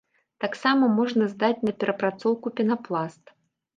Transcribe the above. Таксама можна здаць на перапрацоўку пенапласт.